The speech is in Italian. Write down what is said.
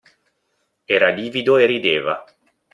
Era livido e rideva.